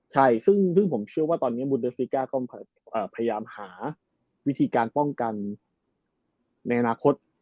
ใช่ซึ่งผมเชื่อว่าตอนนี้มูลเดฟริก้าก็พยายามหาวิธีการป้องกันในอนาคต